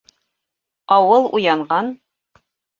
Ауыл уянған.